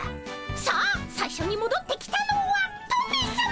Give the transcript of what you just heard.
さあ最初にもどってきたのはトメさま！